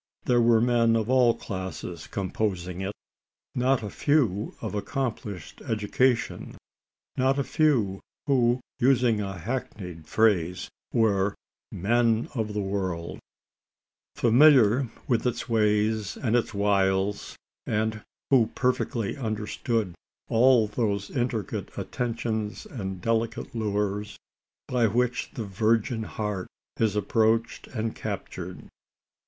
There were men of all classes composing it not a few of accomplished education not a few who, using a hackneyed phrase, were "men of the world," familiar with its ways and its wiles and who perfectly understood all those intricate attentions and delicate lures, by which the virgin heart is approached and captured.